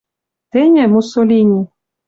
Тӹньӹ, Муссолини